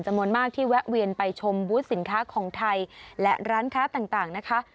จำนวนมากที่แวะเวียนไปชมบูธสินค้าของไทยและร้านค้าต่างนะคะ